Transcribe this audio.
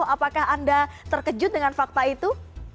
apakah anda terkejut dengan fakta itu